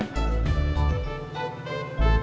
tunggu abah abah gue